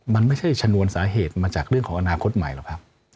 มันไม่ใช่ชนวนสาเหตุมาจากเรื่องของอนาคตใหม่หรอกครับ